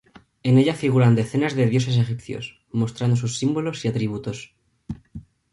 En ella figuran decenas de dioses egipcios, mostrando sus símbolos y atributos.